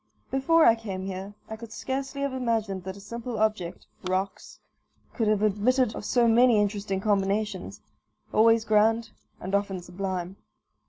Before I came here I could scarcely have imagined that a simple object (rocks) could have admitted of so many interesting combinations, always grand and often sublime.